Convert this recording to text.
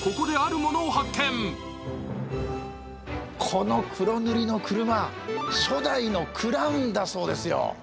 この黒塗りの車、初代のクラウンだそうですよ。